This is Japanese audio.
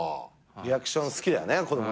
リアクション好きだよね子供。